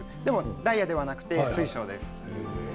ダイヤではなく水晶なんですよ。